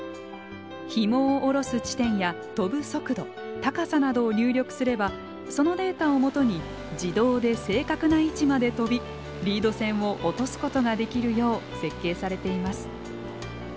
ひもを下ろす地点や飛ぶ速度高さなどを入力すればそのデータをもとに自動で正確な位置まで飛びリード線を落とすことができるよう設計されています。